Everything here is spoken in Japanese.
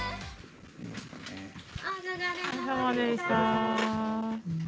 お疲れさまでした。